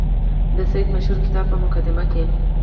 د سید مشهور کتاب په مقدمه کې.